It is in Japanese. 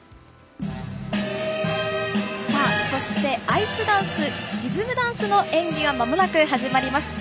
そして、アイスダンスリズムダンスの演技がまもなく始まります。